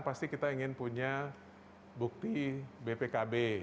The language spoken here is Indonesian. pasti kita ingin punya bukti bpkb